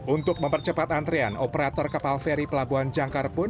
untuk mempercepat antrean operator kapal feri pelabuhan jangkar pun